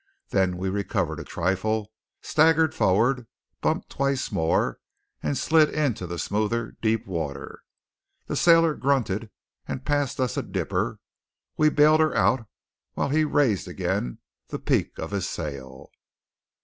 Then we recovered a trifle, staggered forward, bumped twice more, and slid into the smoother deep water. The sailor grunted, and passed us a dipper. We bailed her out while he raised again the peak of his sail.